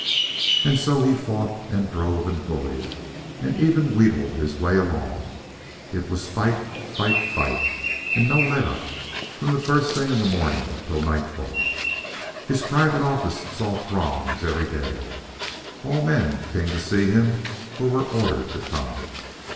And so he fought and drove and bullied and even wheedled his way along. It was fight, fight, fight, and no let up, from the first thing in the morning till nightfall. His private office saw throngs every day. All men came to see him, or were ordered to come.